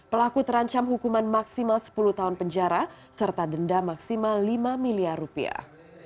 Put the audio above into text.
pelaku terancam hukuman maksimal sepuluh tahun penjara serta denda maksimal lima miliar rupiah